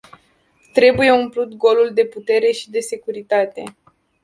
Trebuie umplut golul de putere și de securitate.